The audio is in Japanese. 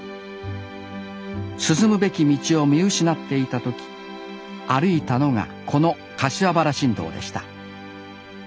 進むべき道を見失っていた時歩いたのがこの柏原新道でした